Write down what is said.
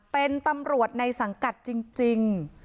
เป็นตำรวจในสังกัดจริง